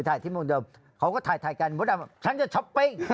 ที่มุมเดิมเขาก็ถ่ายกันมดดำฉันจะช้อปปิ้ง